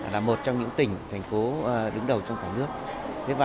là một trong những tỉnh thành phố đứng đầu trong khám nghiệp